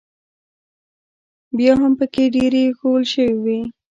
بیا هم پکې ډېرې ایښوول شوې وې.